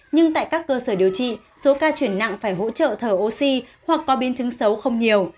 nhưng tại các cơ sở điều trị số ca chuyển nặng phải hỗ trợ thở oxy hoặc có biến chứng xấu không nhiều